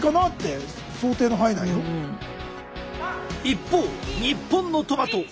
一方日本のトマト。